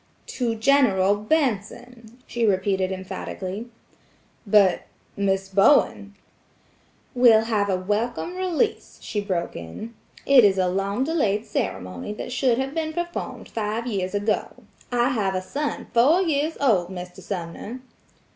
"To General Benson," she repeated emphatically. "But–Miss Bowen–" "Will have a welcome release," she broke in. "It is a long delayed ceremony that should have been performed five years ago. I have a son four years old, Mr. Sumner!"